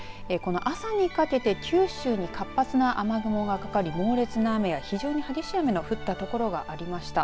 朝にかけて九州に活発な雨雲がかかり猛烈な雨や非常に激しい雨の降った所がありました。